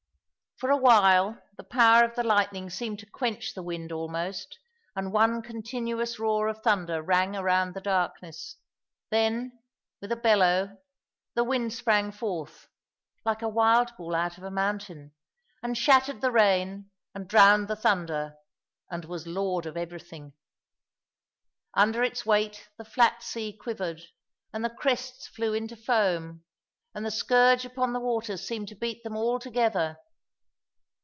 For a while the power of the lightning seemed to quench the wind almost, and one continuous roar of thunder rang around the darkness. Then, with a bellow, the wind sprang forth (like a wild bull out of a mountain), and shattered the rain and drowned the thunder, and was lord of everything. Under its weight the flat sea quivered, and the crests flew into foam, and the scourge upon the waters seemed to beat them all together.